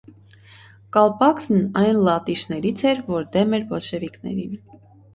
Կալպակսն այն լատիշներից էր, որ դեմ էր բոլշևիկներին։